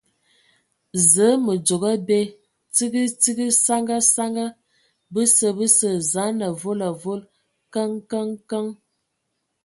Zǝə, mǝ dzogo abe, tsigi tsigi, saŋa saŋa ! Bəsə, bəsə, zaan avol avol !... Kǝŋ Kǝŋ Kǝŋ Kǝŋ!